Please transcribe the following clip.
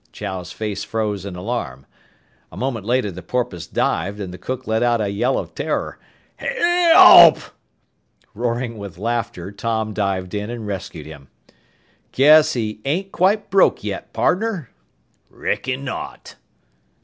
Chow's face froze in alarm. A moment later the porpoise dived and the cook let out a yell of terror, "He e elp!" Roaring with laughter, Tom dived in and rescued him. "Guess he ain't quite broke yet, pardner!" "Reckon not."